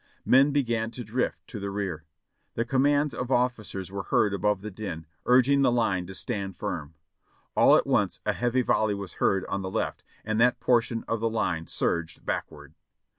Men began to drift to the rear. The commands of officers were heard above the din, urging the line to stand firm. All at once a heavy volley was heard on the left, and that por tion of the line surged backward.